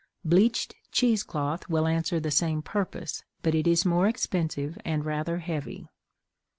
Bleached cheese cloth will answer the same purpose, but it is more expensive and rather heavy.